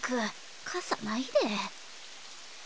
傘ないで。